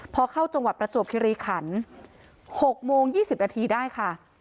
พอเข้าจังหวัดประจวบคิริขัน๖โมง๒๐นาทีได้ค่ะ